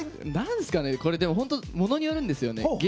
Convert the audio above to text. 本当ものによるんですよね。